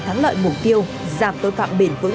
thắng lợi mục tiêu giảm tối toạn bền vững